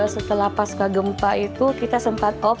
setelah pasca gempa itu kita sempat off